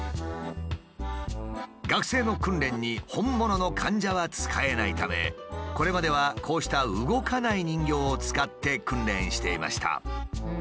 学生の訓練に本物の患者は使えないためこれまではこうした動かない人形を使って訓練していました。